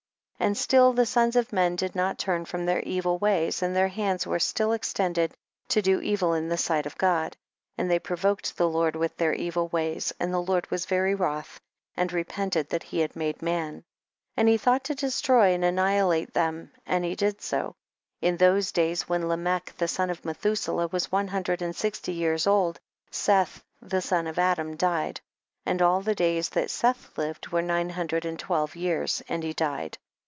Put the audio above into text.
7. And still the sons of men did not turn from their evil ways, and their hands were still extended to do evil in the sight of God, and they provoked the Lord with their evil ways, and the Lord was very wroth, and repented that he had made man. 8. And he thought to destroy and annihilate them *and he did so. 9. In those days when Lamech the son of Methuselah was one hun dred and sixty years old, Seth the son of Adam died. 10. And all the days that Seth lived, were nine hundred and twelve years, and he died.